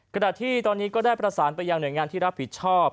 ขณะที่ตอนนี้ก็ได้ประสานไปยังหน่วยงานที่รับผิดชอบ